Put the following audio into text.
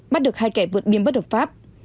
bắt được hai kẻ vượt biên bất hợp pháp